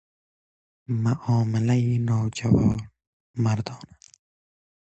معاملهی ناجوانمردانه